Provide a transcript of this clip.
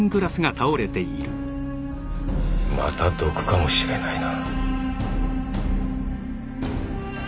また毒かもしれないな。